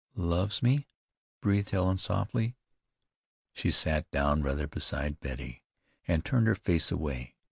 "Loves me!" breathed Helen softly. She sat down rather beside Betty, and turned her face away.